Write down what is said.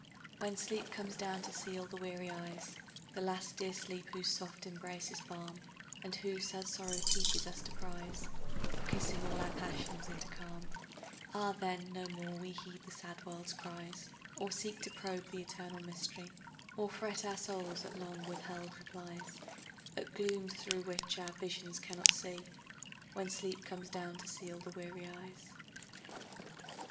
When sleep comes down to seal the weary eyes, The last dear sleep whose soft embrace is balm, And whom sad sorrow teaches us to prize For kissing all our passions into calm, Ah, then, no more we heed the sad world's cries, Or seek to probe th' eternal mystery, Or fret our souls at long withheld replies, At glooms through which our visions cannot see, When sleep comes down to seal the weary eyes.